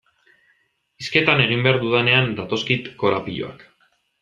Hizketan egin behar dudanean datozkit korapiloak.